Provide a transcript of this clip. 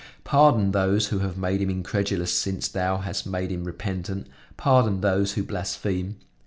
Pardon those who have made him incredulous since Thou hast made him repentant; pardon those who blaspheme!